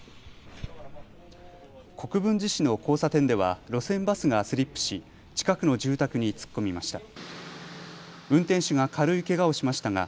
国分寺市の交差点では路線バスがスリップし、近くの住宅に突っ込みました。